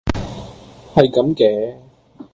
係咁嘅